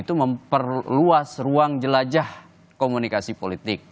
itu memperluas ruang jelajah komunikasi politik